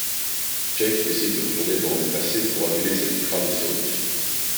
Jake décide de retourner dans le passé pour annuler cette trame historique.